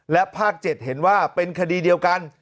และภาค๗เห็นว่าเป็นคดีเดียวกัน